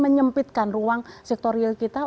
menyempitkan ruang sektor real kita